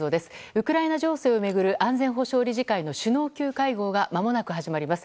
ウクライナ情勢を巡る安全保障理事会の首脳級会合がまもなく始まります。